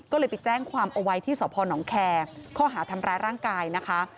ก็เลยไปแจ้งความเอาไว้ที่สพนแคร์ข้อหาทำร้ายร่างกายนะคะ